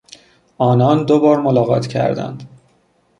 آنان دوبار ملاقات کردند.